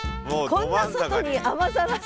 こんな外に雨ざらし。